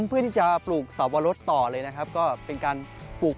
เพื่อที่จะปลูกสวรรษต่อเลยเป็นการปลูก